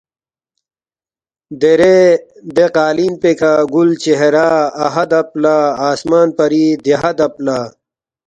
دیرے دے قالین پیکھہ گُل چہرہ اَہا دب لہ آسمان پری دیہا دب لہ